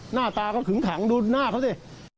หน้าตาเขาขึงขังดูหน้าเขาสิ